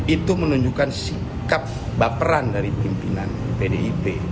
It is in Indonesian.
itu menunjukkan sikap baperan dari pimpinan pdip